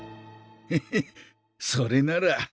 ヘヘッそれなら。